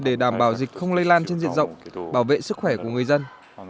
để đảm bảo dịch không lây lan trên diện rộng bảo vệ sức khỏe của người dân